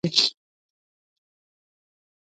کوم تکليف چې درنه بل انسان ته رسي